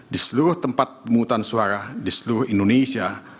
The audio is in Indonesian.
di seluruh tempat pemungutan suara di seluruh indonesia